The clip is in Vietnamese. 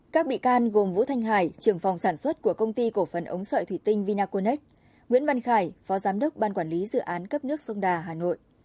các bị can gồm vũ thanh hải trường phòng sản xuất của công ty cổ phần ống sợi thủy tinh vinaconex nguyễn văn khải phó giám đốc ban quản lý dự án cấp nước sông đà hà nội